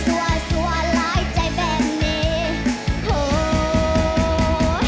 สิไปทางได้กล้าไปน้องบ่ได้สนของพ่อสำนี